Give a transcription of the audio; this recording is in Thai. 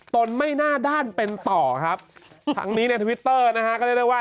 ตนไม่หน้าด้านเป็นต่อครับทั้งนี้ในทวิตเตอร์นะฮะก็เรียกได้ว่า